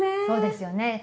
そうですよね。